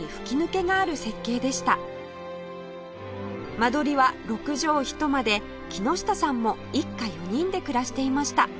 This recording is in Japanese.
間取りは６畳一間で木下さんも一家４人で暮らしていました